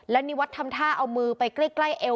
และนิวัฒน์ทำท่าเอามือไปใกล้เอว